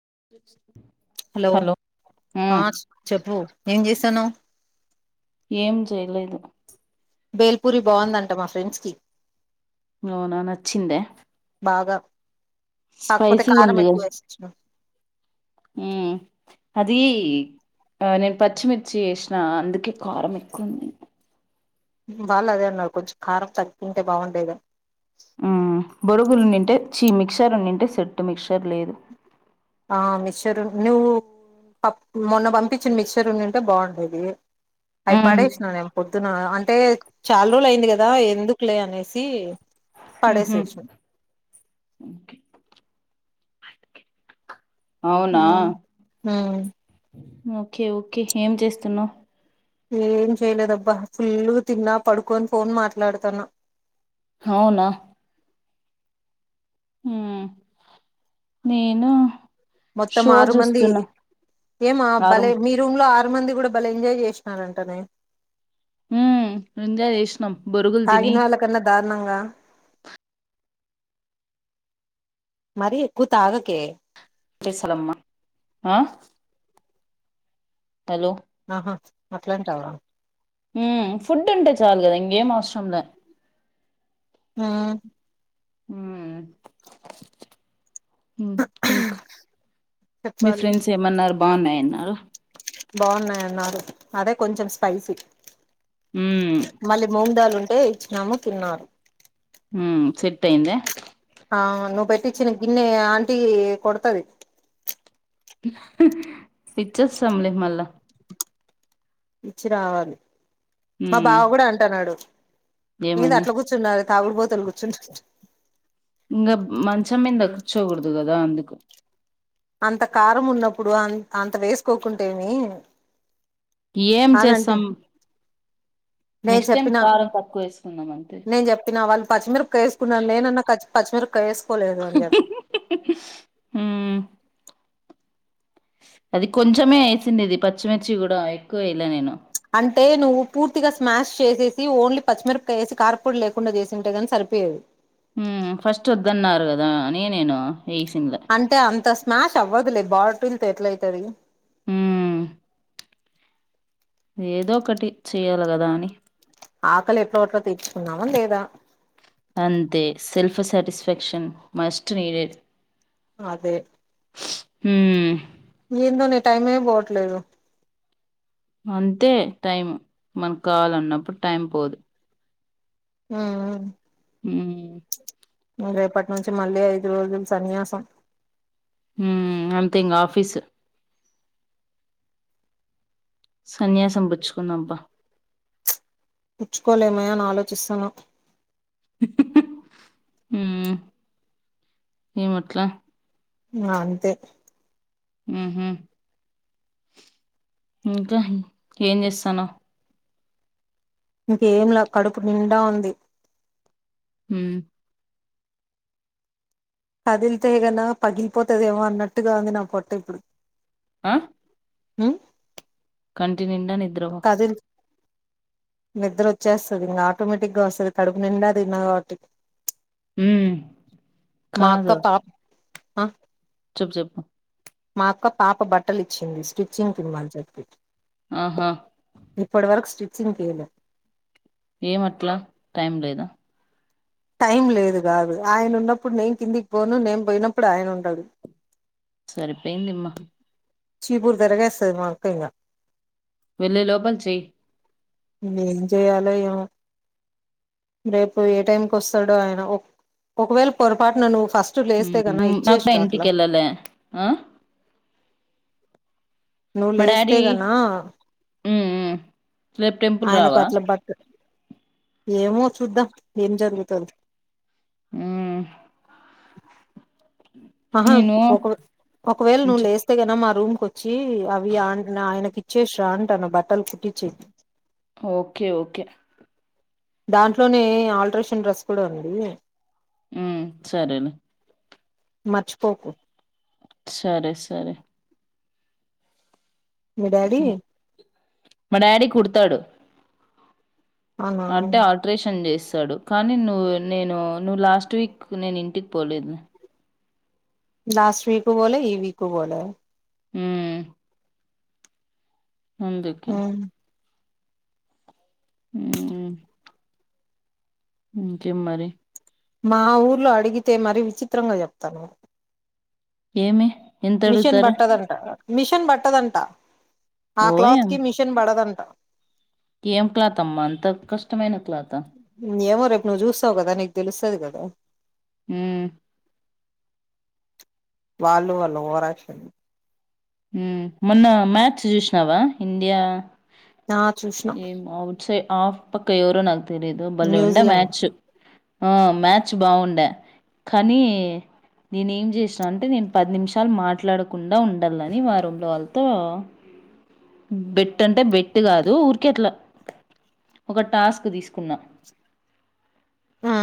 [inaudible] Hello ఆ ఉమ్ చెప్పు ఏం చేసి తనావ్ ఏం చేయలేదు. బేల్పూరి బాగుందంట మా ఫ్రెండ్స్ కి అవునా నచ్చింద బాగా కాకపోతే కారం ఎక్కువ ఏసీ ఇచ్చినవు. ఆ అది ఆ నేను పచ్చిమిర్చి వేసిన అందుకే కారం ఎక్కువుంది వాళ్ళు అదే అన్నారు కొంచెం కారం తగ్గింటే బాగుండేదని ఉ బొరుగులు ఉనిమ్టే చీ మిక్సర్ ఉనిమ్టే సెట్టు మిక్చర్ లేదు ఆ మిక్చర్ నువ్వు ప మొన్న పంపించిన మిక్చర్ రుండుంటే బాగుండేది అయి ఉమ్ పడేశిన నేన్ పొద్దున అన్ బే చాలా రోజులు అయింది కదా ఎందు క్లే అనేసి ఉహు పడేసేసిన అవునా ఉం ఆ ఓకే ఓకే ఏం చేస్తున్నావు ఏం చెయలేదబ్బా ఫుల్ గ తిన్నా పడుకోని ఫోన్ మాట్లాడుతాన అవునా ఉం నేను మొత్తం షో ఆరు మంది చూస్తున్నా ఏమా ఆరం భలే మీ రూమ్ ల ఆ చాలా మంది కూడా బాలే ఎంజాయ్ చేసినారంటనే ఉం ఎంజాయ్ చేసినం బొరుగులు తిని మరి ఎక్కువ్ తాగకె అ సలమ్మా ఆ హలో ఆహా అట్లాంటవ ఉ ఫుడ్ అంటే చాలు కదా ఇంగేం అవసరంలే మ్ ఉమ్ మీ చెప్పాలి ఫ్రెండ్స్ ఏమన్నారు బావున్నాయి అన్నారా బాగున్నాయన్నారు అదే కొంచెం స్పైసీ హ్మ్ మళ్ళీ మూంగ్ దాలు ఉంటేయ్ నమ్ తిన్నారు ఉమ్ సెట్టయిందా ఆ నువ్వు పెట్టిచ్చిన గిన్నె ఆంటీ కొడుతది ఇచ్చచ్చమ్ లే మల్లా ఇచ్చి రావాలి మా హ్మ్ బావ కూడా అంటన్నాడు మీది ఏమని అట్లా కూర్చున్నారు తాగుడు బోతోళ్లు కూర్చున్నాట్టు ఇంగ మంచం మింద కూర్చొకూడదు కదా అందుకు అంత కారం ఉన్నప్పుడు అ అంత వేసుకోకుంటేమీ ఏం చేస్తాం నేను నెక్స్ట్ టైమ్ చెప్పినా కారం తక్కువ వేసుకున్నామంతే పచ్చిమిరుపకయ ఎసుకున్నాను నేన్న కచ్ పచ్చిమిర కేైసుకోలేదు అని చెప్పి హ్మ్ అది కొంచమే వేసిండేది ఇది పచ్చిమిర్చి కూడా ఎక్కువ వేయలే నేను అంటే నువ్వు పూర్తిగా స్మాష్ చేసేసి ఓన్లీ పచ్చిమిరపకాయేసి కారపొడి లేకుండా చేసి ఉంటే కాని సరిపోయేది హ్మ్ ఫస్ట్ వద్దన్నారు కదా అని నేను వేసిన్లే అంటే అంత మ్యాష్ అవ్వదులే బాటిల్ తో ఎట్లా అయితది హ్మ్ ఏదో ఒకటి చెయ్యాలి కదా అని ఆకలి ఎట్లా ఎట్లో తీర్చుకున్నామ లేదా అంతే సెల్ఫ్ సాటిస్ఫాక్షన్ మస్ట్ నీడెడ్ అదే హ్మ్ ఏందో నీ టైమే పోవట్లేదు అంతే టైం మనకు కావాలన్నప్పుడు టైం పోదు ఆ ఆ హ్మ్ రేపటి నుంచి మళ్ళీ ఐదు రోజులు సన్యాసం హ్మ్ అంత ఇంక ఆఫీసు సన్యాసం పుచ్చుకుందంప పుచ్చుకోలేమయ అని ఆలోచిస్తాన్న హ్మ్ ఏం అట్ల నా అంతే హ్మ్ హు ఇంకా ఏం చేస్తన్నావ్ ఇంకేం లా కడుపు నిండా ఉంది హ్మ్ కదిలితేగన పగిలిపోతదేమో అన్నట్టుగా ఉంది నా పొట్ట ఇప్పుడు ఆ హ్మ్ కంటినిండా ని కదిల్ నిద్ర వచ్చేస్తుంది ఇంకా ఆటోమేటిక్ గా వస్తుంది కడుపు నిండా తిన్నా కాబట్టి మ్మ్. మాఅక్క పా ఆ చెప్ చెప్పు మా అక్క పాప బట్టలు ఇచ్చింది స్టిచ్చింగ్ ఇమన్ని చెప్పి ఆహా ఇప్పుడు వరుకు స్టిచింగ్ కిలా ఏమట్లా టైం లేదా టైం లేదు కాదు ఆయన ఉన్నప్పుడు నేను కిందికి పోను నేం పోయినప్పుడు ఆయన ఉండడు సరిపోయిందిమ చీపూర్ తిరుగేస్తది మా అక్క ఇంక వెళ్ళి లోపల చెయ్ ఏం చేయలో ఏమో రేపు ఏ టైంకి వస్తాడో ఆయన ఒకవేళ పొరపాటున నువ్ [unintelligible] నాకు ఎంటింటికేలేలా ఆ నువ్వు మా లేస్తే గనా అ రేపు టెంపుల్ ఆయనకు రావా అట్లా బట్ట ఏమో చూద్దాం ఏం జరుగుతదో హ్మ్మ్ ఆహా నేను ఒక ఒకవేల నువ్వు లేస్తే గన మా రూమ్ వచ్చి అవి ఆన్ ఆయనకి ఇచ్చేసీ రా అంటున్న భట్ ఓకే ఓకే దాంట్లోనే ఆల్ట్రేషన్ డ్రెస్ కూడా ఉంది హ్మ్మ్ సరేలే మర్చిపోకు సరే సరే మీ డాడీ మా డాడీ కుడుతాడు అవునా అంటే ఆల్ట్రేషన్ చేసి చ్చాడు కానీ నువ్వు నేను నువ్వు లాస్ట్ వీక్ నేను ఇంటికి పోలేదు లాస్ట్ వీకు బోలె ఈ వీకు బోలే హ్మ్మ్ అందుకా హ్మ్. హ్మ్మ్ హ్మ్మ్ ఇంకేం మరి మా ఊర్లో అడిగితే మరి విచిత్రంగా చెప్తాను ఏమి ఎంత మిషన్ అడుగుతారు బట్టదంటా మిషన్ బట్టదంట ఆ క్లాత్ ఓయమ్ కి మిషన్ పడదంట ఏం క్లాతమ్మ అంత కష్టమైన క్లాత్ ఏమో రేపు నువ్వు చూస్తావు కదా నీకు తెలుస్తది కదా హ్మ్మ్ వాళ్ళు వాళ్ళ ఓవరాక్షన్ హ్మ్మ్ మొన్న మ్యాచ్స్ చూసినావా ఇండియా ఆ చూసిన ఏం అవుట్ సైడ్ ఆఫ్ పక్కయోరు నాకు తేలీదు బలే ఉండే న్యూజిలాండ్ మ్యాచు ఆ మ్యాచ్ బాగుండే కానీ నేను ఏం చేసా అంటే నేను పది నిమిషాలు మాట్లాడకుండా ని మా రూమ్ లో వాళ్ళతో బెట్ అంటే బెట్ కాదు ఊరికే అట్లా ఒక టాస్క్ తీసుకున్నా. ఆ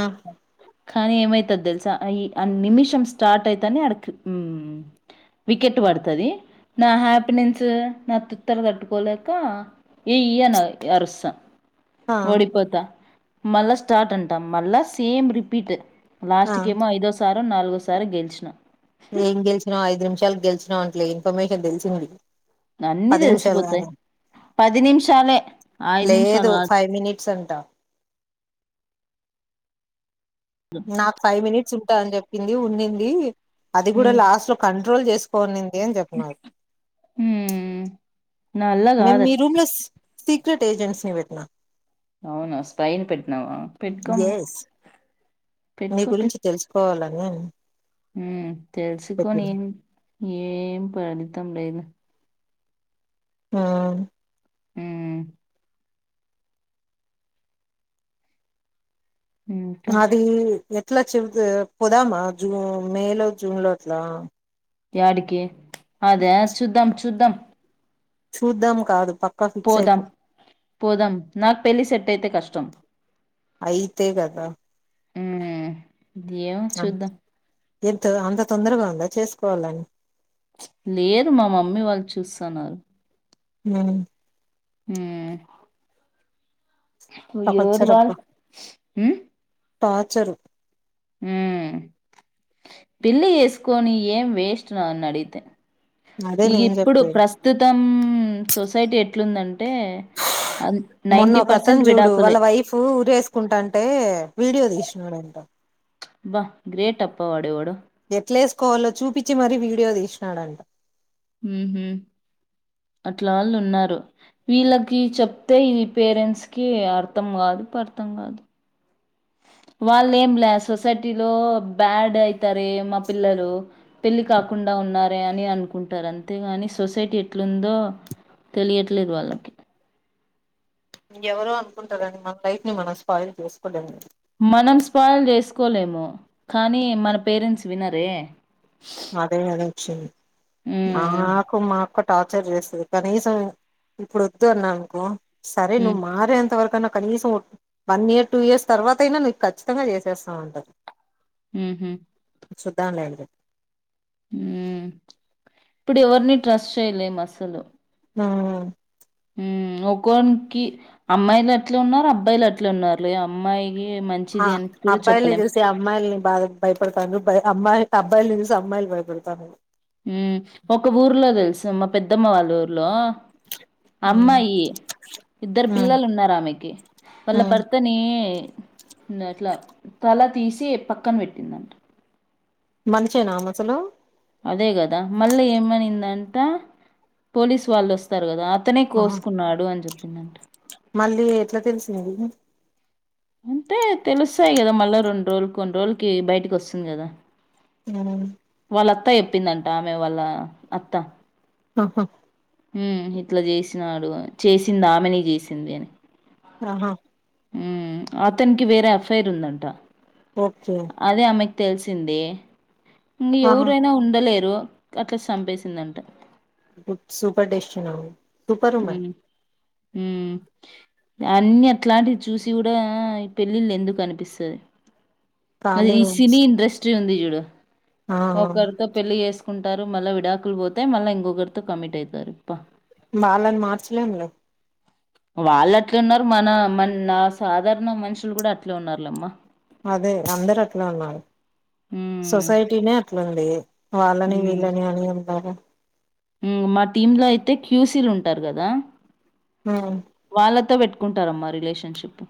కానీ ఏమైతది తెలుసా ఈ ఆ నిమిషం స్టార్ట్ అయితని అడకి హ్మ్మ్ వికెట్ పడుత్ అది నా హ్యాపీనెన్స్ నా తిక్కని తట్టుకోలేక ఏయి అని అరుస్త. ఆ ఓడిపోతా మళ్ళా స్టార్ట్ అంట మళ్ళా సేమ్ రిపీట్ లాస్ట్ ఆ కెమో ఐదుసార్లు నాలుగు ఒకసారి గెలిచిన ఎం గెల్చినవ ఐదు నిమిషాలు గెలిచి నోట్లే ఇన్ఫర్మేషన్ తెలిసింది అన్నీ పది నిమిషాలు తెలిసిపోతే కాదు పది నిమిషాలే ఐదు నిమిషాలు కాదు సంటా నాకు ఫైవ్ మినిట్స్ ఉంటాంద అని చెప్పింది ఉండింది అది కూడా ఉమ్ లాస్ట్ లో కం కంట్రోల్ చేసుకోనింది ఏం చెప్పన్నారు ఉమ్. నా వల్ల మేము మీ కాదట్ రూమ్ లో సీక్రెట్ ఏజెంట్స్ ని వెట్నా అవును స్పైన్ పెట్ ఎస్ నీ గురించి తెలుసుకోవాలం ఆ మ్ తెలుసుకోని ఏం పడ్ త్తం లేదు ఆ మ్ ఇంకా అది ఎ అట్లా చె పోదామా జూన్ మేలో జూన్ లో అట్లా యాడికి అదే చూద్దాం చూద్దాం చూద్దాం కాదు పక్కా ఫిక్స్ అయిపో పోదాం పోదాం నాకు పెళ్ళి సెట్ అయితే కష్టం అయితే కదా మ్ ఎమో చుద్దాం ఎంత అంత తొందరగా ఉందా చేసుకోవాలని లేరు మా మమ్మీ వాళ్ళు చూస్తున్నారు మ్ మ్ య్యోరు టార్చర్ వాళ టార్చారు మ్ పిల్లి చేసుకొని ఏం వేస్ట్ నన్న అడిగితే అదే ఇ నేను ఇప్పుడు చెప్పేది ప్రస్తుతం సొసైటీ ఎట్లుందం మొన్న కథలు పర్సెంట్ చూడు విడాకులే వాళ్ళ వైఫ్ వేసుకుంటా అంటే. వీడియో తీసినడంట. బా గ్రేట్ అబ్బా వాడెవడో. ఎట్లేసుకోవాలో చూపిచి మరీ వీడియో తీసినాడంట. ఉహు అట్లా వాళ్ళు ఉన్నారు. వీళ్ళకి చెప్తే ఇది పేరెంట్స్ కి అర్థం కాదు పర్థం కాదు. వాళ్ళ ఏం లే సొసైటీలో బ్యాడ్ అయితారే మా పిల్లలు పెళ్లి కాకుండా ఉన్నారే అని అనుకుంటారు. అంతేగాని సొసైటీ ఎట్లుందో తెలియట్లేదు వాళ్ళకి. ఎవరో అనుకుంటారండి మన లైఫ్ ని మనం స్పాయిల్ చేసుకోలేము కదా. మనం స్పాయిల్ చేసుకోలేము కానీ మన పేరెంట్స్ వినరే. అదే గదా వచ్చింది. ఉమ్, ఆకు మాకు. ఒక టార్చర్ చేస్తుది కనీసం ఇప్పుడు వద్దు అన్నానుకో. సరే నువ్ ఉమ్, మారే అంత వరకన్నా. కనీసం వన్ ఇయర్ టూ ఇయర్స్ తర్వాత అయినా నువ్వు ఖచ్చితంగా చేసేస్తావుంటర్. ఉహూ. సుధా లేక ఇప్పుడు ఎవరిని ట్రస్ట్ చేయలేం అస్సలు. ఆ. ఉమ్ ఒక్కోనికి అమ్మాయిల్ అట్లా ఉన్నారు, అబ్బాయిలు అట్ల ఉన్నారు. ఏ అమ్మాయి ఆ అబ్బాయిల్ని చూసి అమ్మాయిల్ని బాద భయపడతండ్రు. అమ్మాయి అబ్బాయిలు ని చూసి అమ్మాయి భయపడతండ్రు. ఉ ఒక ఊర్లో తెలుస మా పెద్దమ్మ వాళ్ళ ఊర్లో. ఉమ్ అమ్మాయి ఇద్దరు ఉమ్ పిల్లలు ఉన్నారు ఆమెకి వాళ్ళ ఉమ్ భర్తని. అట్లా తల తీసి పక్కన పెట్టిందంట. మనిషేనా ఆమె అసలు. అదే కదా మళ్ళీ ఏమైందంటే పోలీసు వాళ్ళు వస్తారు కదా. అతనే ఆహా కోసుకున్నాడు అని చెప్పిందంట. తెలవదు. అంతే తెలుస్తాయి కదా మళ్ళా రెండు రోజులకి కొన్ని రోజులకి బయటికి వస్తుంది కదా. అవును. వాళ్ళ అత్తా చెప్పిందంట ఆమె వాళ్ళ అత్తా. ఆహా. ఉమ్ ఇట్లా చేసినాడు చేసింది ఆమెని చేసింది అని. ఆహ. అతనికి వేరే అఫైర్ ఉందంట. ఓకే. అదే ఆమెకి తెలిసింది. ఆహా ఎవరైనా ఉండలేరు‌ అక్కలా చంపేసిందంట. సూపర్ డెసిషన్ అవును. Super women. ఉమ్ అన్ని అట్లాంటివి చూసి కూడా ఈ పెళ్ళిళ్ ఎందుకు అనిపిస్తది. మరీ కానీ ఈ సిని ఇండస్ట్రి ఉంది. డు ఆ ఒకరీతో పేల్లి చేస్ కుంటారు. మళ్ళ విడాకులు పోతే మళ్ళ ఇంకొకరితో కమిట్ అయితారు. అబ్బ వాళ్ళని మార్చలేంలే వాళ్ళు అట్లే ఉన్నారు. మన మనా సాధారణ మనుషులు కూడా అట్లే ఉన్నారులేమ్మా అదే అందరూ అట్లే ఉన్నారు. హ్మ్. సొసైటీనే ఆట్ల ఉం ఏ వాళ్ళని వీళ్ళని ఆని అంటర హ్ మా టీమ్ లో అయితే క్యూ సి లు ఉంటారు. గాదా ఉమ్ వాళ్ళతో పెట్ కుంటారమ్మా రిలేషన్షిప్